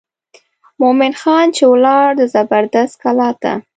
مومن خان چې ولاړ د زبردست کلا ته.